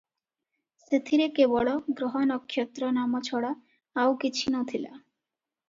ସେଥିରେ କେବଳ ଗ୍ରହ ନକ୍ଷତ୍ର ନାମ ଛଡା ଆଉ କିଛି ନ ଥିଲା ।